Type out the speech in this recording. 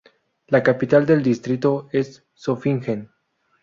La capital del distrito es Zofingen.